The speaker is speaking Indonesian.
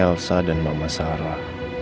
elsa dan mama sarah